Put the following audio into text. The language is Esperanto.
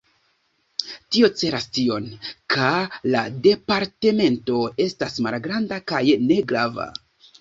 Tio celas tion, ka la departemento estas malgranda kaj negrava.